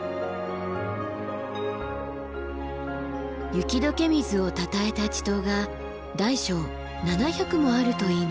雪解け水をたたえた池塘が大小７００もあるといいます。